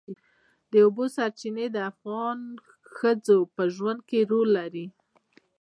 د اوبو سرچینې د افغان ښځو په ژوند کې رول لري.